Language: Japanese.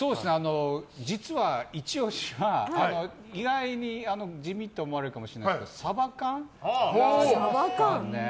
実はイチ押しは意外に地味って思われるかもしれないですけどサバ缶ですかね。